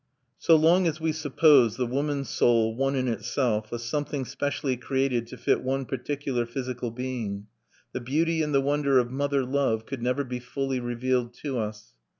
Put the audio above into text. So long as we supposed the woman soul one in itself, a something specially created to fit one particular physical being, the beauty and the wonder of mother love could never be fully revealed to us.